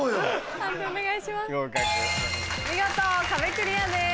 見事壁クリアです。